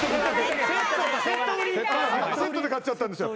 セットで買っちゃったんですよ。